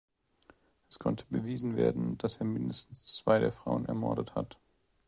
Es konnte bewiesen werden, dass er mindestens zwei der Frauen ermordet hat.